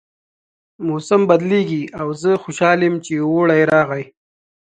موسم بدلیږي او زه خوشحاله یم چې اوړی راغی